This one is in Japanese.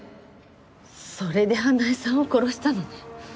それで花絵さんを殺したのね？